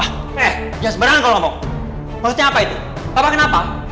eh jelas beneran kau ngomong maksudnya apa itu papa kenapa